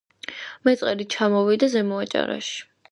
მეწყერი ჩამოვიდა ზემო აჭარაში